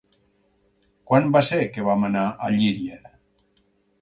Quan va ser que vam anar a Llíria?